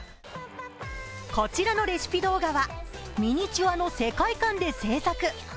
こちらのレシピ動画はミニチュアの世界観で制作。